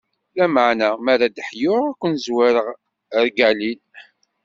Lameɛna mi ara ad d-ḥyuɣ, ad ken-zwireɣ ɣer Galil.